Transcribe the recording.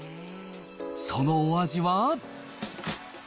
そのお味は。